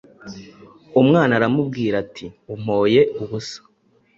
umwana aramubwira ,ati umpoye ubusa